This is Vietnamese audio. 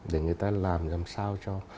để người ta làm làm sao cho